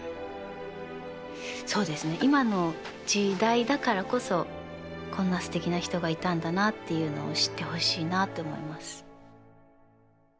今の時代だからこそこんなすてきな人がいたんだなっていうのを知ってほしいなって思います。